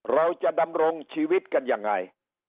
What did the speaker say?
เราจะดำรงชีวิตกันยังไง